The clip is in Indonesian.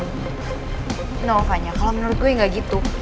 no vanya kalo menurut gue gak gitu